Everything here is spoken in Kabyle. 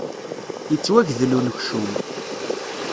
Yettwagdel unekcum.